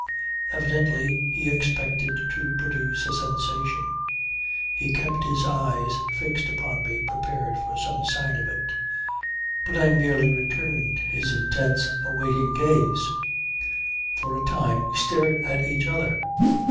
Evidently he expected to produce a sensation; he kept his eyes fixed upon me prepared for some sign of it. But I merely returned his intense, awaiting gaze. For a time we stared at each other.